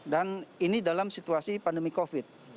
dan ini dalam situasi pandemi covid